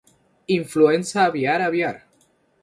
Influenza aviar Aviar